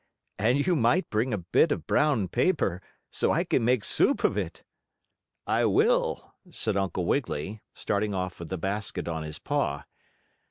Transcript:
And you might bring a bit of brown paper, so I can make soup of it." "I will," said Uncle Wiggily, starting off with the basket on his paw.